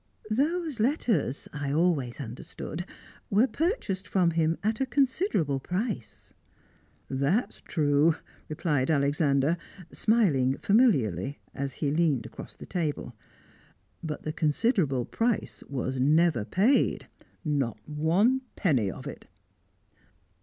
"Those letters, I always understood, were purchased from him at a considerable price." "That's true," replied Alexander, smiling familiarly as he leaned across the table. "But the considerable price was never paid not one penny of it."